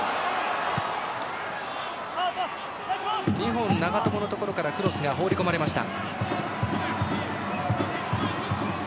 ２本、長友のところからクロスが放り込まれました。